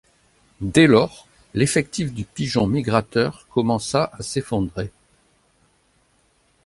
Dès lors, l'effectif du pigeon migrateur commença à s'effondrer.